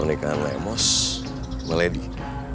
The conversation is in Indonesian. pernikahan emos meledih